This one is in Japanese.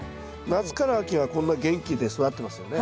夏から秋はこんな元気で育ってますよね。